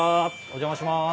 お邪魔します。